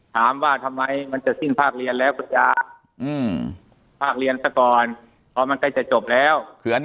ถามว่าทำไมมันจะสิ้นภาคเรียนแล้ว